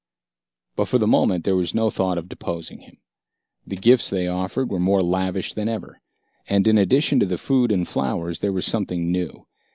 But for the moment there was no thought of deposing him. The gifts they offered were more lavish than ever. And in addition to the food and flowers, there was something new.